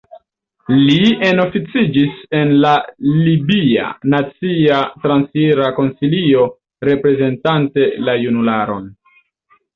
Li enoficiĝis en la libia Nacia Transira Konsilio reprezentante la junularon.